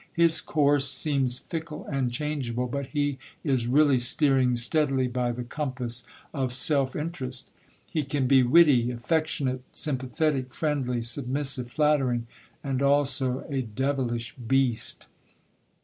His course seems fickle and changeable, but he is really steering steadily by the compass of self interest. He can be witty, affectionate, sympathetic, friendly, submissive, flattering, and also a devilish beast.